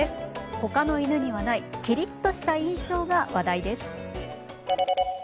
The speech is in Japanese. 他の犬にはないきりっとした印象が話題です。